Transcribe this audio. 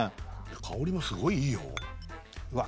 香りもすごいいいようわ